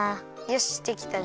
よしできた。